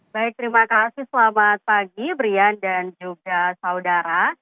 baik terima kasih selamat pagi brian dan juga saudara